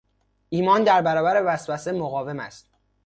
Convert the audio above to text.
ایمان در برابر وسوسه مقاوم است.